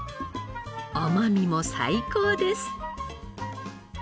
甘みも最高です。